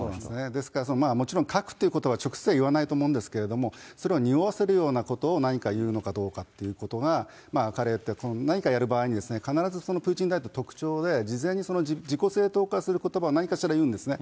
ですから、もちろん核っていうことばは直接は言わないと思うんですけれども、それをにおわせるようなことを何か言うのかどうかっていうのが、彼って何かやる場合に、プーチン大統領の特徴で、事前にその自己正当化することばを何かしら言うんですね。